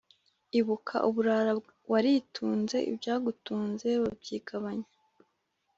ibuka uburara waritunze ibyagutunze babyigabanya